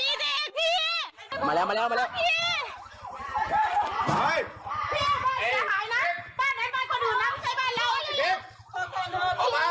อยากจะหายนะบ้านไหนจะมายตัวอื่นนะเพื่อนใครที่บ้านเรา